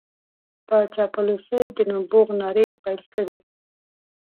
په چاپلوسۍ د نبوغ نارې پېل کړې.